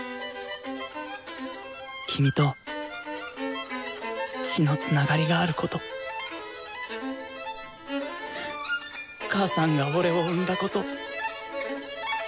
君と血のつながりがあること母さんが俺を産んだこと。